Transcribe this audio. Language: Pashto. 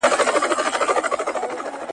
• لکه ازاره، خپله کونه ئې نظر کړه.